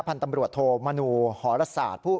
พันตำรวจโทมนูฮอรสาท